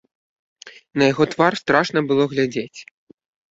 На яго твар страшна было глядзець.